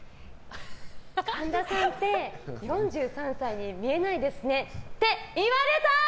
神田さんって４３才に見えないですねって言われたい！